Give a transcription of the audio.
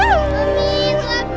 eh siapa nih